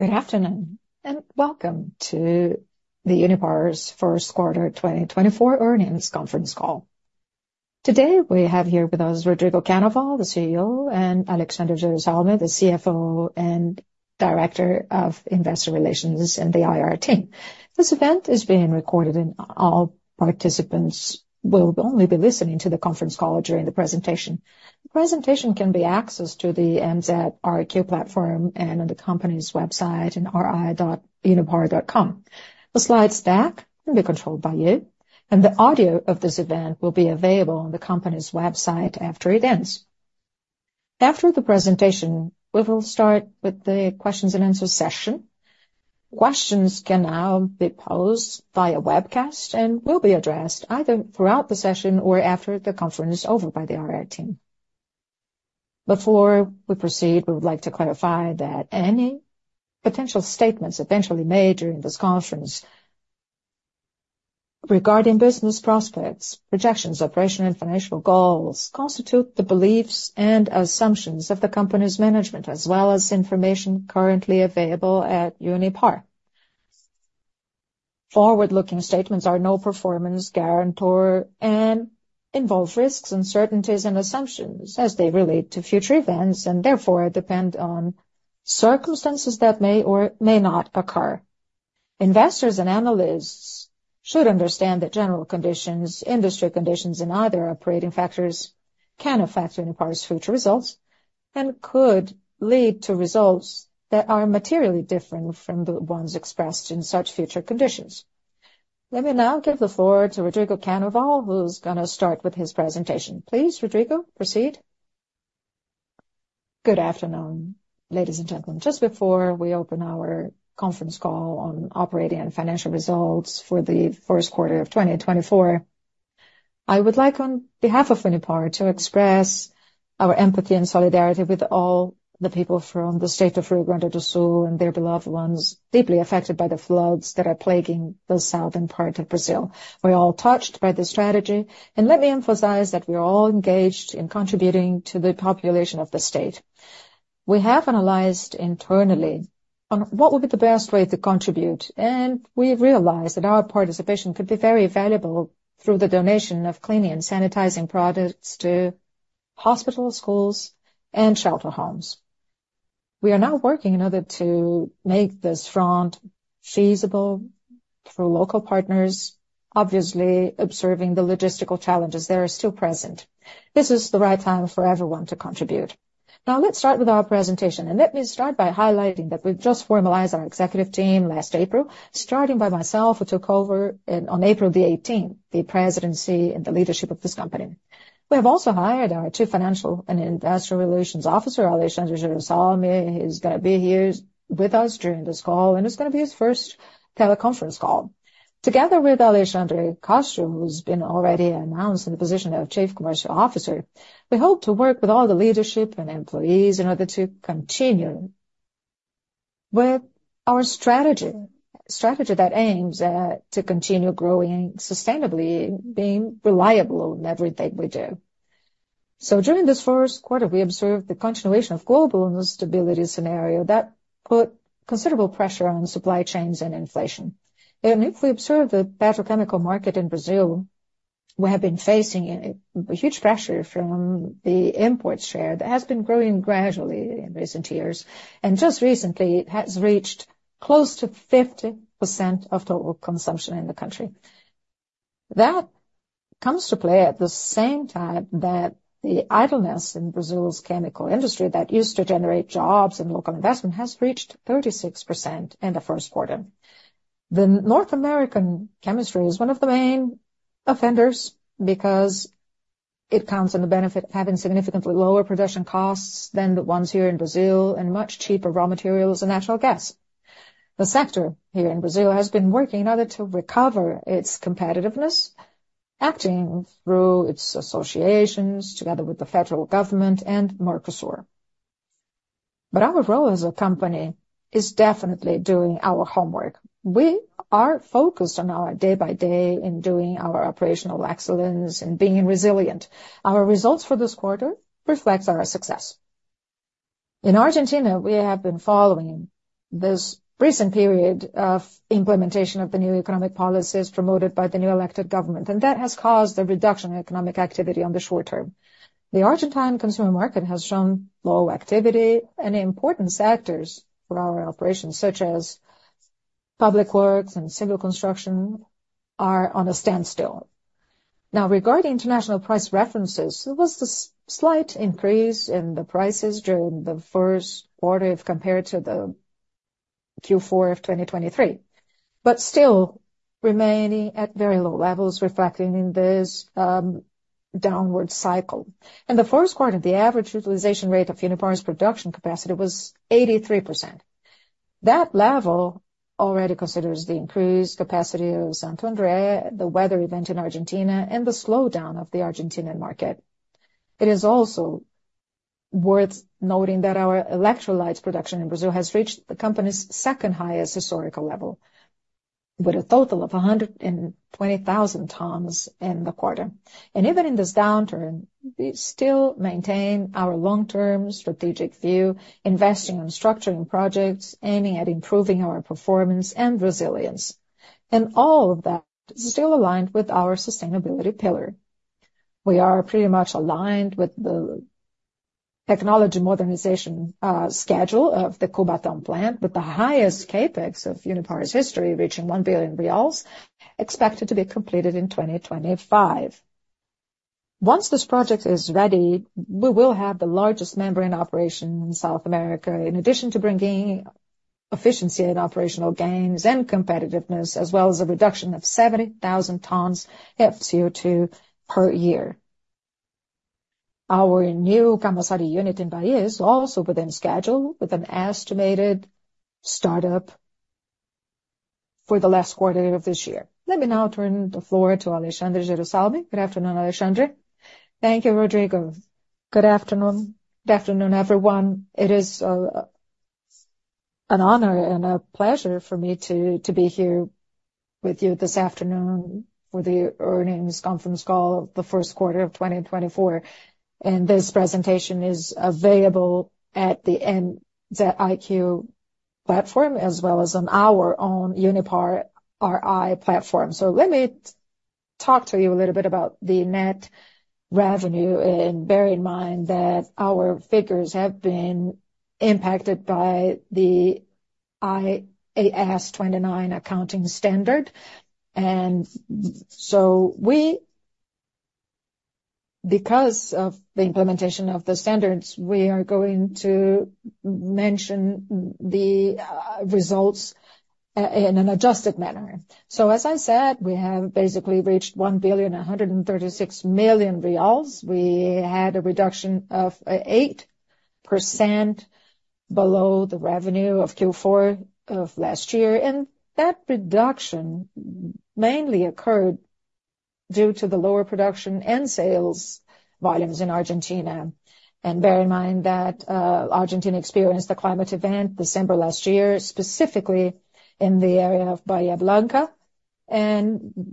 Good afternoon and welcome to Unipar's first quarter 2024 earnings conference call. Today we have here with us Rodrigo Cannaval, the CEO, and Alexandre Jerussalmy, the CFO and Director of Investor Relations in the IR team. This event is being recorded and all participants will only be listening to the conference call during the presentation. The presentation can be accessed through the MZiQ platform and on the company's website in ri.unipar.com. The slide stack can be controlled by you, and the audio of this event will be available on the company's website after it ends. After the presentation, we will start with the questions and answers session. Questions can now be posed via webcast and will be addressed either throughout the session or after the conference is over by the IR team. Before we proceed, we would like to clarify that any potential statements eventually made during this conference regarding business prospects, projections, operational, and financial goals constitute the beliefs and assumptions of the company's management as well as information currently available at Unipar. Forward-looking statements are no performance guarantor and involve risks, uncertainties, and assumptions as they relate to future events and therefore depend on circumstances that may or may not occur. Investors and analysts should understand that general conditions, industry conditions, and other operating factors can affect Unipar's future results and could lead to results that are materially different from the ones expressed in such future conditions. Let me now give the floor to Rodrigo Cannaval, who's going to start with his presentation. Please, Rodrigo, proceed. Good afternoon, ladies and gentlemen. Just before we open our conference call on operating and financial results for the first quarter of 2024, I would like on behalf of Unipar to express our empathy and solidarity with all the people from the state of Rio Grande do Sul and their beloved ones deeply affected by the floods that are plaguing the southern part of Brazil. We're all touched by this tragedy, and let me emphasize that we are all engaged in contributing to the population of the state. We have analyzed internally on what would be the best way to contribute, and we realize that our participation could be very valuable through the donation of cleaning and sanitizing products to hospitals, schools, and shelter homes. We are now working in order to make this front feasible through local partners, obviously observing the logistical challenges that are still present. This is the right time for everyone to contribute. Now, let's start with our presentation, and let me start by highlighting that we've just formalized our executive team last April, starting by myself who took over on April the 18th the presidency and the leadership of this company. We have also hired our two financial and investor relations officer, Alexandre Jerussalmy. He's going to be here with us during this call, and it's going to be his first teleconference call. Together with Alexandre de Castro, who's been already announced in the position of Chief Commercial Officer, we hope to work with all the leadership and employees in order to continue with our strategy that aims to continue growing sustainably, being reliable in everything we do. So during this first quarter, we observed the continuation of global instability scenario that put considerable pressure on supply chains and inflation. And if we observe the petrochemical market in Brazil, we have been facing huge pressure from the import share that has been growing gradually in recent years, and just recently it has reached close to 50% of total consumption in the country. That comes to play at the same time that the idleness in Brazil's chemical industry that used to generate jobs and local investment has reached 36% in the first quarter. The North American chemistry is one of the main offenders because it counts in the benefit of having significantly lower production costs than the ones here in Brazil and much cheaper raw materials and natural gas. The sector here in Brazil has been working in order to recover its competitiveness, acting through its associations together with the federal government and Mercosur. But our role as a company is definitely doing our homework. We are focused on our day-by-day in doing our operational excellence and being resilient. Our results for this quarter reflect our success. In Argentina, we have been following this recent period of implementation of the new economic policies promoted by the new elected government, and that has caused a reduction in economic activity on the short term. The Argentine consumer market has shown low activity, and important sectors for our operations, such as public works and civil construction, are on a standstill. Now, regarding international price references, there was a slight increase in the prices during the first quarter if compared to the Q4 of 2023, but still remaining at very low levels reflecting this downward cycle. In the first quarter, the average utilization rate of Unipar's production capacity was 83%. That level already considers the increased capacity of Santo André, the weather event in Argentina, and the slowdown of the Argentine market. It is also worth noting that our electrolytes production in Brazil has reached the company's second highest historical level, with a total of 120,000 tons in the quarter. And even in this downturn, we still maintain our long-term strategic view, investing in structuring projects aiming at improving our performance and resilience. And all of that is still aligned with our sustainability pillar. We are pretty much aligned with the technology modernization schedule of the Cubatão plant, with the highest CAPEX of Unipar's history reaching 1 billion reais, expected to be completed in 2025. Once this project is ready, we will have the largest membrane operation in South America, in addition to bringing efficiency and operational gains and competitiveness, as well as a reduction of 70,000 tons of CO2 per year. Our new Camaçari unit in Bahia is also within schedule with an estimated startup for the last quarter of this year. Let me now turn the floor to Alexandre Jerussalmy. Good afternoon, Alexandre. Thank you, Rodrigo. Good afternoon. Good afternoon, everyone. It is an honor and a pleasure for me to be here with you this afternoon for the earnings conference call of the first quarter of 2024. This presentation is available at the MZIQ platform as well as on our own Unipar RI platform. Let me talk to you a little bit about the net revenue and bear in mind that our figures have been impacted by the IAS 29 accounting standard. Because of the implementation of the standards, we are going to mention the results in an adjusted manner. As I said, we have basically reached 1,136 million reais. We had a reduction of 8% below the revenue of Q4 of last year. That reduction mainly occurred due to the lower production and sales volumes in Argentina. Bear in mind that Argentina experienced a climate event December last year, specifically in the area of Bahía Blanca.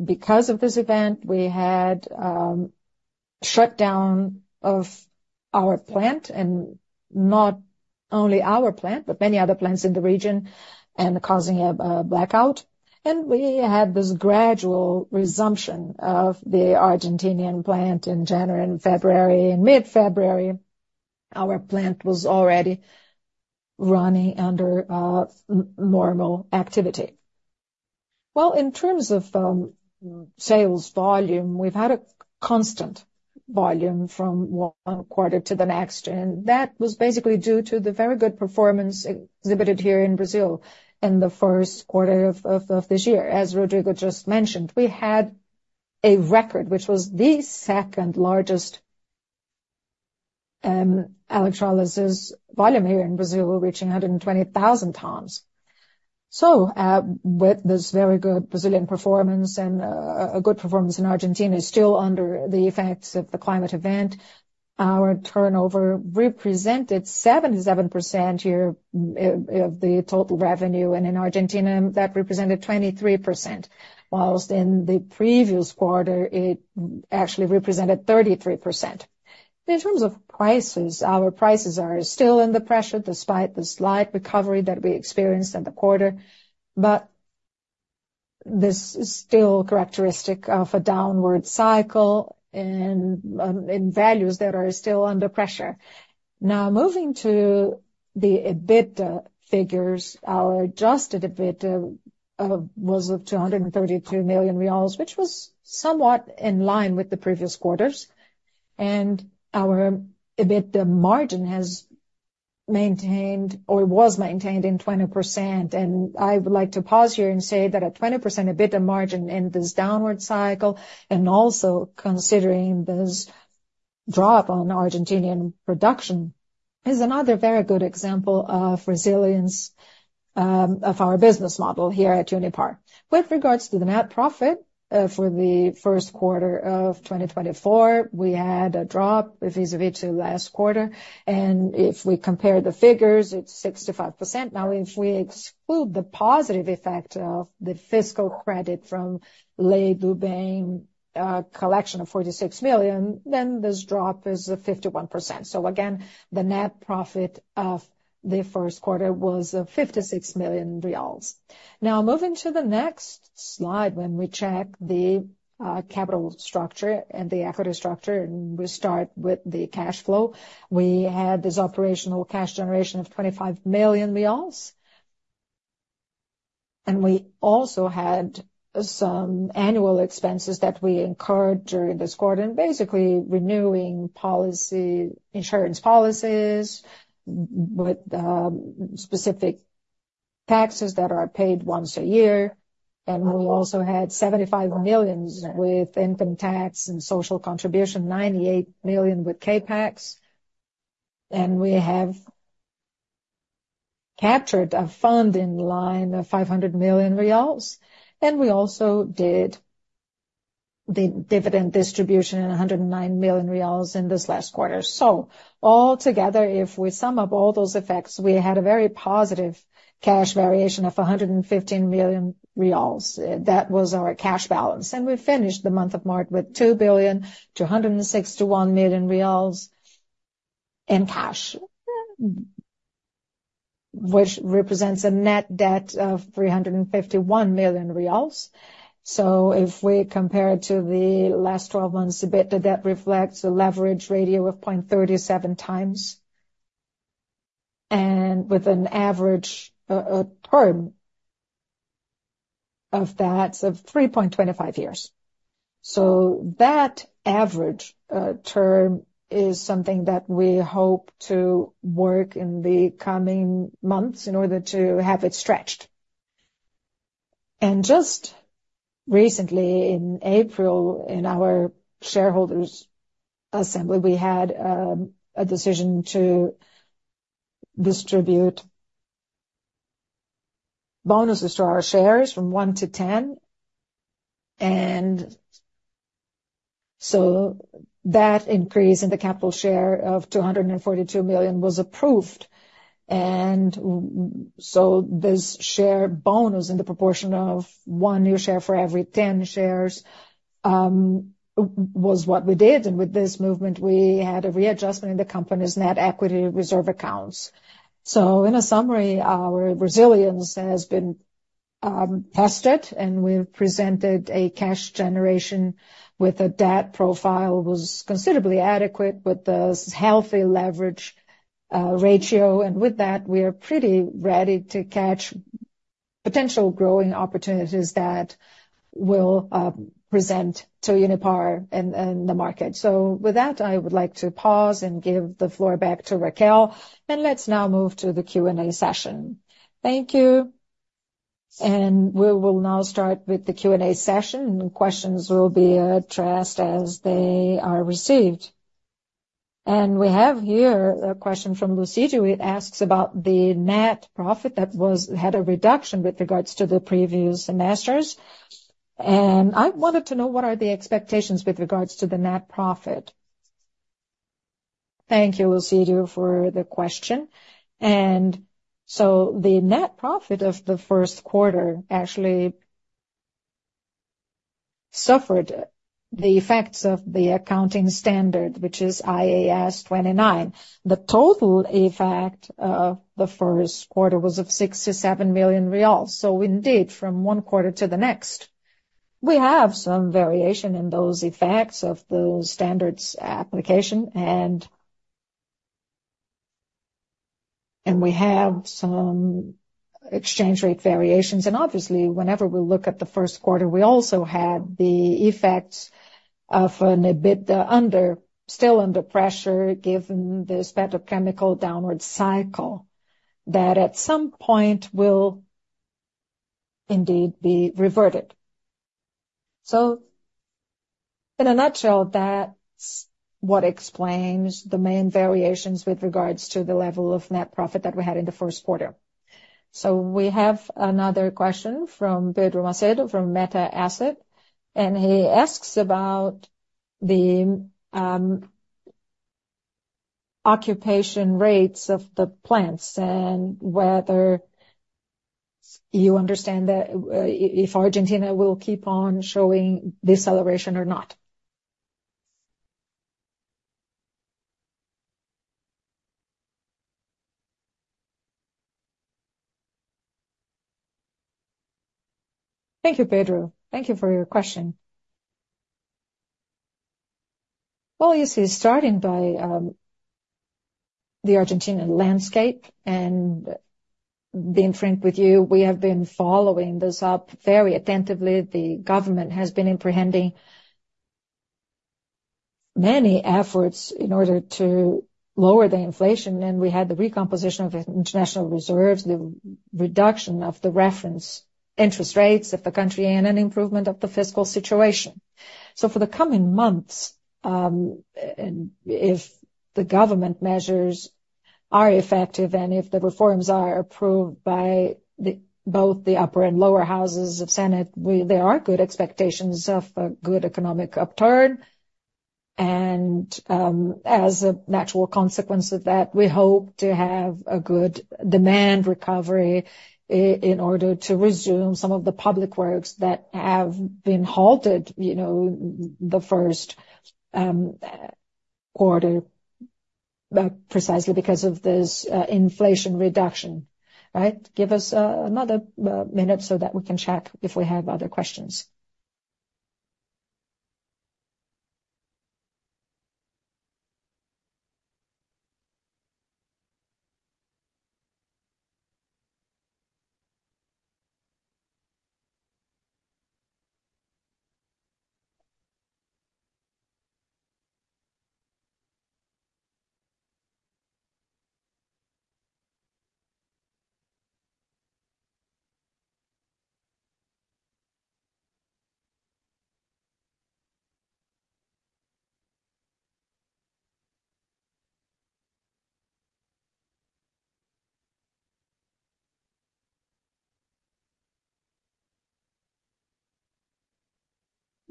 Because of this event, we had a shutdown of our plant, and not only our plant, but many other plants in the region, and causing a blackout. We had this gradual resumption of the Argentinian plant in January, in February, in mid-February. Our plant was already running under normal activity. Well, in terms of sales volume, we've had a constant volume from one quarter to the next. And that was basically due to the very good performance exhibited here in Brazil in the first quarter of this year. As Rodrigo just mentioned, we had a record, which was the second largest electrolysis volume here in Brazil, reaching 120,000 tons. With this very good Brazilian performance and a good performance in Argentina, still under the effects of the climate event, our turnover represented 77% here of the total revenue. In Argentina, that represented 23%, while in the previous quarter, it actually represented 33%. In terms of prices, our prices are still under pressure despite the slight recovery that we experienced in the quarter. This is still characteristic of a downward cycle in values that are still under pressure. Now, moving to the EBITDA figures, our adjusted EBITDA was BRL 232 million, which was somewhat in line with the previous quarters. Our EBITDA margin has maintained or was maintained in 20%. I would like to pause here and say that a 20% EBITDA margin in this downward cycle, and also considering this drop on Argentinian production, is another very good example of resilience of our business model here at Unipar. With regards to the net profit for the first quarter of 2024, we had a drop vis-à-vis to last quarter. And if we compare the figures, it's 65%. Now, if we exclude the positive effect of the fiscal credit from Lei do Bem collection of 46 million, then this drop is 51%. So again, the net profit of the first quarter was of 56 million reais. Now, moving to the next slide, when we check the capital structure and the equity structure, and we start with the cash flow, we had this operational cash generation of BRL 25 million. We also had some annual expenses that we incurred during this quarter, and basically renewing insurance policies with specific taxes that are paid once a year. We also had 75 million with income tax and social contribution, 98 million with CAPEX. We have captured a fund in line of 500 million reais. We also did the dividend distribution in 109 million reais in this last quarter. So altogether, if we sum up all those effects, we had a very positive cash variation of 115 million reais. That was our cash balance. We finished the month of March with 2 billion 261 million reais in cash, which represents a net debt of 351 million reais. So if we compare it to the last 12 months, EBITDA debt reflects a leverage ratio of 0.37x, and with an average term of that of 3.25 years. So that average term is something that we hope to work in the coming months in order to have it stretched. Just recently, in April, in our shareholders' assembly, we had a decision to distribute bonuses to our shares from one to 10. So that increase in the capital share of 242 million was approved. This share bonus in the proportion of one new share for every 10 shares was what we did. With this movement, we had a readjustment in the company's net equity reserve accounts. In a summary, our resilience has been tested, and we've presented a cash generation with a debt profile that was considerably adequate with a healthy leverage ratio. With that, we are pretty ready to catch potential growing opportunities that will present to Unipar and the market. So with that, I would like to pause and give the floor back to Raquel. Let's now move to the Q&A session. Thank you. We will now start with the Q&A session. Questions will be addressed as they are received. We have here a question from Lucidio. It asks about the net profit that had a reduction with regards to the previous semesters. And I wanted to know, what are the expectations with regards to the net profit? Thank you, Lucidio, for the question. So the net profit of the first quarter actually suffered the effects of the accounting standard, which is IAS 29. The total effect of the first quarter was 6 million-7 million real. So indeed, from one quarter to the next, we have some variation in those effects of those standards' application. We have some exchange rate variations. And obviously, whenever we look at the first quarter, we also had the effects of an EBITDA still under pressure given the spectrum chemical downward cycle that at some point will indeed be reverted. So in a nutshell, that's what explains the main variations with regards to the level of net profit that we had in the first quarter. So we have another question from Pedro Macedo from Meta Asset. And he asks about the occupation rates of the plants and whether you understand that if Argentina will keep on showing deceleration or not. Thank you, Pedro. Thank you for your question. Well, you see, starting by the Argentinian landscape and being frank with you, we have been following this up very attentively. The government has been applying many efforts in order to lower the inflation. We had the recomposition of international reserves, the reduction of the reference interest rates of the country, and an improvement of the fiscal situation. For the coming months, if the government measures are effective and if the reforms are approved by both the upper and lower houses of Senate, there are good expectations of a good economic upturn. As a natural consequence of that, we hope to have a good demand recovery in order to resume some of the public works that have been halted the first quarter, precisely because of this inflation reduction, right? Give us another minute so that we can check if we have other questions.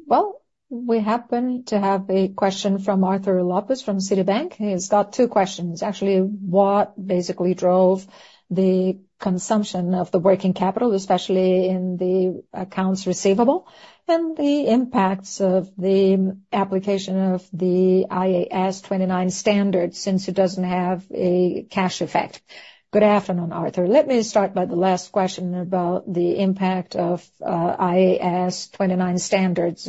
Well, we happen to have a question from Arthur Lopes from Citibank. He's got two questions. Actually, what basically drove the consumption of the working capital, especially in the accounts receivable, and the impacts of the application of the IAS 29 standard since it doesn't have a cash effect? Good afternoon, Arthur. Let me start by the last question about the impact of IAS 29 standards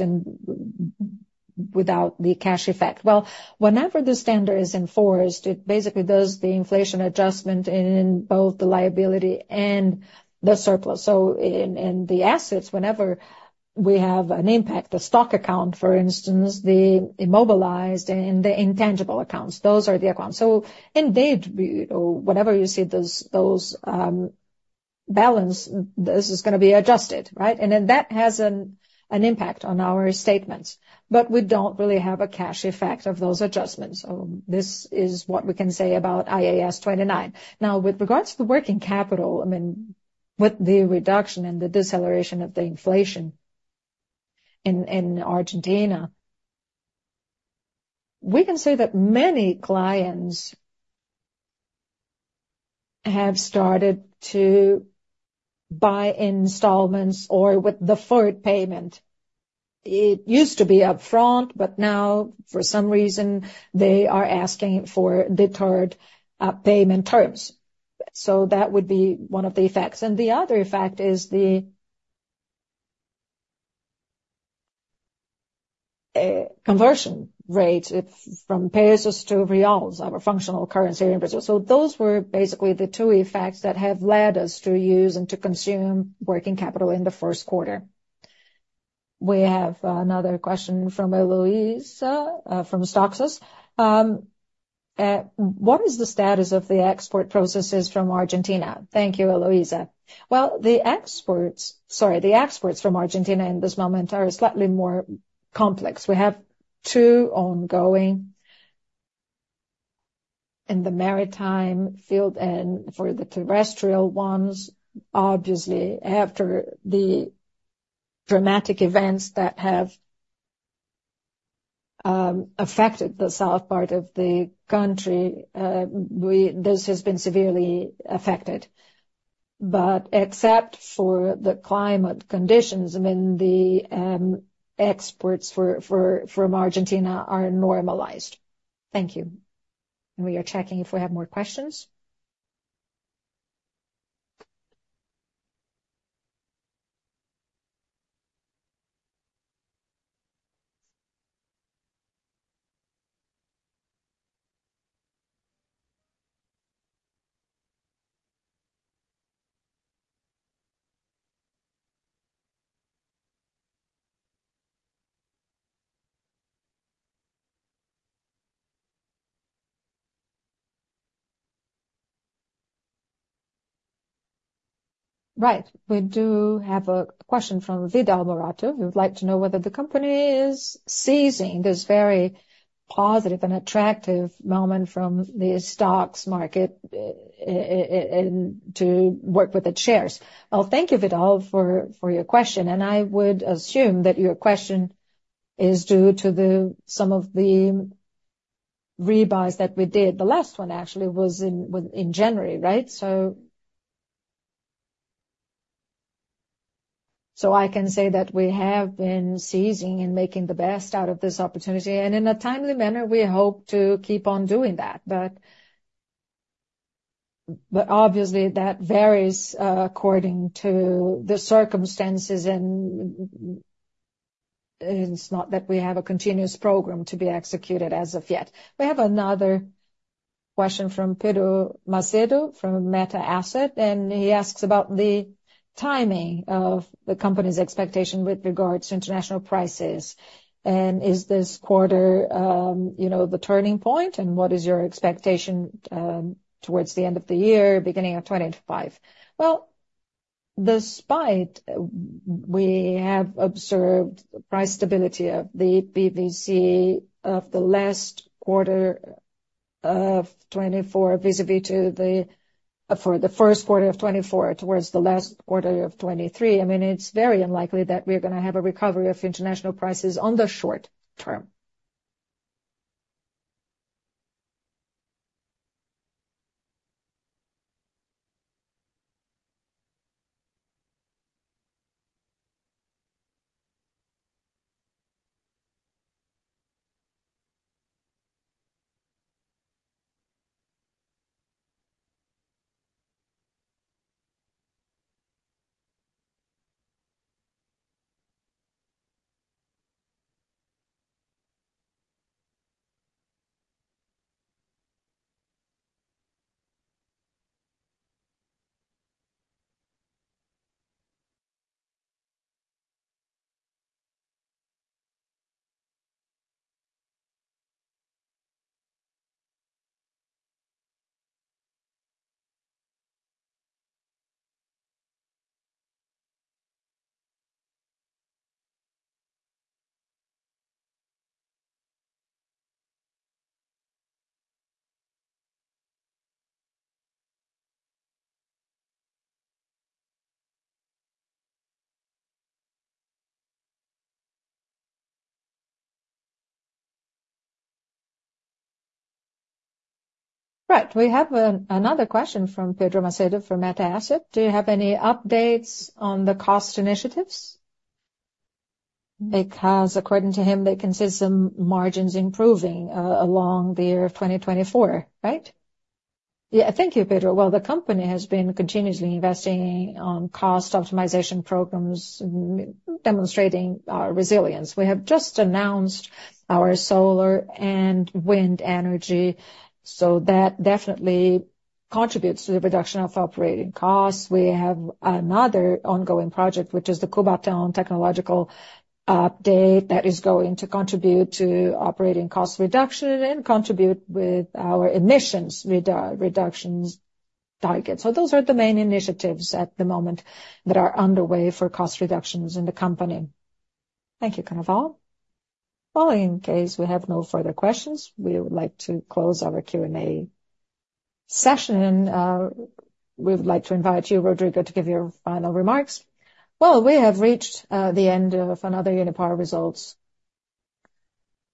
without the cash effect. Well, whenever the standard is enforced, it basically does the inflation adjustment in both the liability and the surplus. So in the assets, whenever we have an impact, the stock account, for instance, the immobilized, and the intangible accounts, those are the accounts. So indeed, whatever you see, those balances, this is going to be adjusted, right? And then that has an impact on our statements. But we don't really have a cash effect of those adjustments. So this is what we can say about IAS 29. Now, with regards to the working capital, I mean, with the reduction and the deceleration of the inflation in Argentina, we can say that many clients have started to buy installments or with the forward payment. It used to be upfront, but now, for some reason, they are asking for deferred payment terms. So that would be one of the effects. And the other effect is the conversion rate from pesos to reals, our functional currency here in Brazil. So those were basically the two effects that have led us to use and to consume working capital in the first quarter. We have another question from Eloisa from StoneX. What is the status of the export processes from Argentina? Thank you, Eloisa. Well, the exports sorry, the exports from Argentina in this moment are slightly more complex. We have two ongoing in the maritime field and for the terrestrial ones. Obviously, after the dramatic events that have affected the south part of the country, this has been severely affected. But except for the climate conditions, I mean, the exports from Argentina are normalized. Thank you. And we are checking if we have more questions. Right. We do have a question from Vidal Morato. He would like to know whether the company is seizing this very positive and attractive moment from the stock market to work with the shares. Well, thank you, Vidal, for your question. And I would assume that your question is due to some of the buybacks that we did. The last one, actually, was in January, right? So I can say that we have been seizing and making the best out of this opportunity. And in a timely manner, we hope to keep on doing that. But obviously, that varies according to the circumstances. It's not that we have a continuous program to be executed as of yet. We have another question from Pedro Macedo from Meta Asset Management. He asks about the timing of the company's expectation with regards to international prices. Is this quarter the turning point? What is your expectation towards the end of the year, beginning of 2025? Well, despite we have observed price stability of the PVC of the last quarter of 2024 vis-à-vis for the first quarter of 2024 towards the last quarter of 2023, I mean, it's very unlikely that we're going to have a recovery of international prices on the short term. Right. We have another question from Pedro Macedo from Meta Asset Management. Do you have any updates on the cost initiatives? Because according to him, they consider some margins improving along the year of 2024, right? Yeah. Thank you, Pedro. Well, the company has been continuously investing on cost optimization programs demonstrating our resilience. We have just announced our solar and wind energy. So that definitely contributes to the reduction of operating costs. We have another ongoing project, which is the Cubatão technological update that is going to contribute to operating cost reduction and contribute with our emissions reductions target. So those are the main initiatives at the moment that are underway for cost reductions in the company. Thank you, Cannaval. Well, in case we have no further questions, we would like to close our Q&A session. And we would like to invite you, Rodrigo, to give your final remarks. Well, we have reached the end of another Unipar results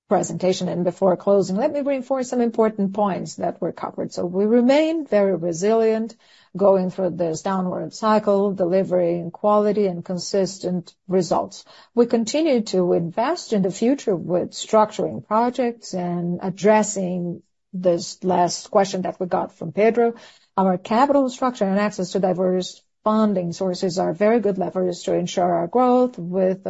presentation. And before closing, let me reinforce some important points that were covered. So we remain very resilient going through this downward cycle, delivering quality and consistent results. We continue to invest in the future with structuring projects and addressing this last question that we got from Pedro. Our capital structure and access to diverse funding sources are very good levers to ensure our growth with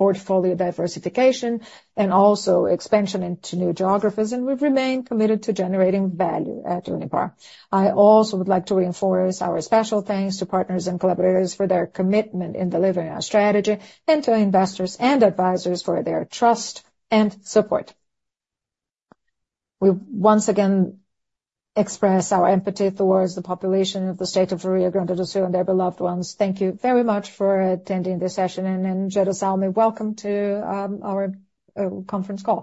portfolio diversification and also expansion into new geographies. We remain committed to generating value at Unipar. I also would like to reinforce our special thanks to partners and collaborators for their commitment in delivering our strategy and to investors and advisors for their trust and support. We once again express our empathy towards the population of the state of Rio Grande do Sul and their beloved ones. Thank you very much for attending this session. Alexandre Jerussalmy, welcome to our conference call.